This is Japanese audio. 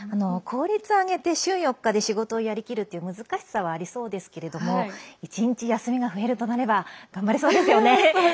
効率を上げて週４日で仕事をやりきるっていう難しさはありそうですけど１日休みが増えるとなれば頑張れそうですよね。